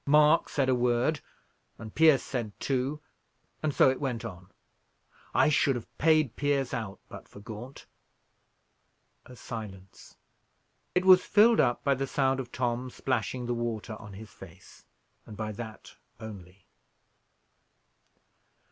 Mark said a word, and Pierce said two, and so it went on. I should have paid Pierce out, but for Gaunt." A silence. It was filled up by the sound of Tom splashing the water on his face, and by that only.